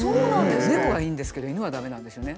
猫はいいんですけど犬は駄目なんですよね。